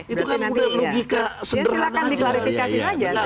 itu kan udah logika sederhana aja